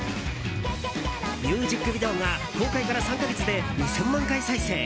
ミュージックビデオが公開から３か月で２０００万回再生。